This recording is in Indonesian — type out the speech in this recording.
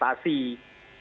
baik dari tingkat militer